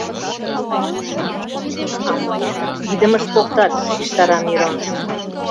— А мыйым идымыш поктат, — шижтара Мирон.